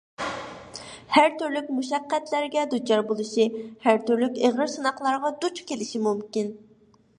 ھەر تۈرلۈك مۇشەققەتلەرگە دۇچار بولۇشى، ھەر تۈرلۈك ئېغىر سىناقلارغا دۇچ كېلىشى مۇمكىن.